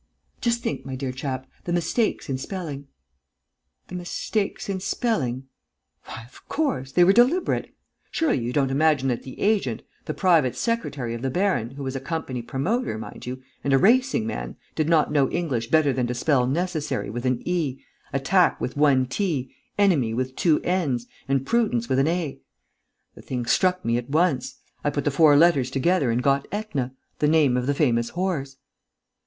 "Just think, my dear chap, the mistakes in spelling...." "The mistakes in spelling?" "Why, of course! They were deliberate. Surely, you don't imagine that the agent, the private secretary of the baron who was a company promoter, mind you, and a racing man did not know English better than to spell 'necessery' with an 'e,' 'atack' with one 't,' 'ennemy' with two 'n's' and 'prudance' with an 'a'! The thing struck me at once. I put the four letters together and got 'Etna,' the name of the famous horse."